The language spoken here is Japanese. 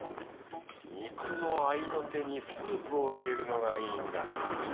肉の合いの手にスープを入れるのがいいんだな。